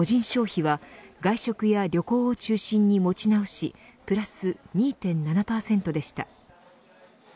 消費は外食や旅行を中心に持ち直しプラス２．７％でした。